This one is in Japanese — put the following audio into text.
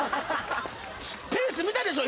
ペース見たでしょ？